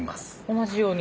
同じように。